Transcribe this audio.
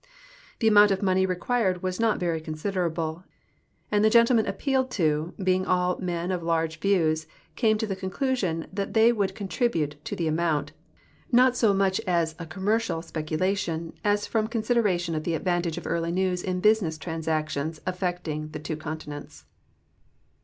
The amount of money required was not very con siderable, and the gentlemen a))pealed to, being all men of large views, came to the conclusion that they would contribute the amount, not so much as a commercial s{)eculation as from con siderations of the advantage of early news in business transac tions affecting the two continents.